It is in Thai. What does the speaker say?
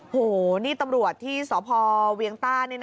โหนี่ตำรวจที่สพเวียงต้า